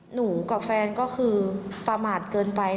หนูกับแฟนก็คือประมาทเกินไป